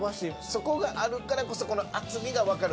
そこがあるから厚みが分かる。